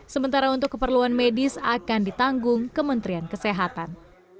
sementara untuk keperluan medis akan ditanggung kementerian kesehatan